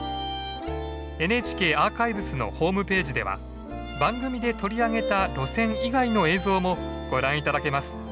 ＮＨＫアーカイブスのホームページでは番組で取り上げた路線以外の映像もご覧頂けます。